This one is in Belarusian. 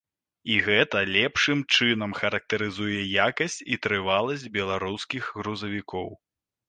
І гэта лепшым чынам характарызуе якасць і трываласць беларускіх грузавікоў.